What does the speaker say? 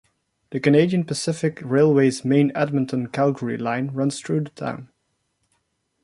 The Canadian Pacific Railway's main Edmonton-Calgary line runs through the town.